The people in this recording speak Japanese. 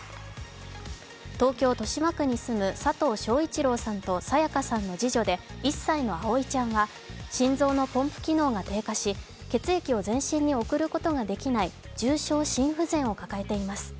東京・豊島区に住む佐藤昭一郎さんと清香さんの次女で１歳の葵ちゃんは、心臓のポンプ機能が低下し、血液を全身に送ることができない重症心不全を抱えています。